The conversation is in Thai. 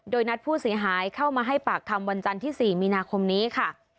โดยนัดผู้เสียหายเข้ามาให้ปากคำวันจันทร์ที่๔มีนาคมนี้ค่ะ